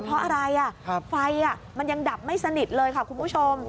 เพราะอะไรไฟมันยังดับไม่สนิทเลยค่ะคุณผู้ชม